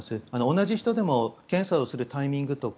同じ人でも検査をするタイミングとか